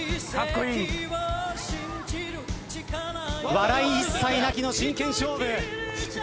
笑い一切なきの真剣勝負。